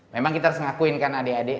memang kita harus ngakuinkan adik adik